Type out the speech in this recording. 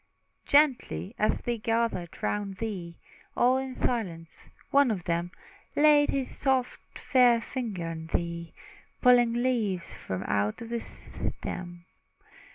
Gently as they gathered round thee, All in silence, one of them Laid his soft, fair fingers on thee, Pulling leaves from out the stem.